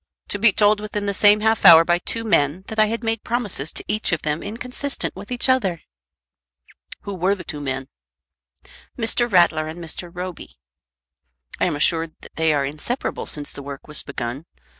"To be told within the same half hour by two men that I had made promises to each of them inconsistent with each other!" "Who were the two men?" "Mr. Rattler and Mr. Roby." "I am assured that they are inseparable since the work was begun.